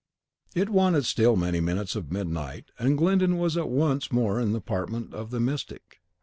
It wanted still many minutes of midnight, and Glyndon was once more in the apartment of the mystic.